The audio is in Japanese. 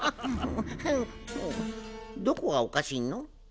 どこがおかしいの？